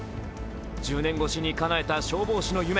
１０年越しにかなえた消防士の夢。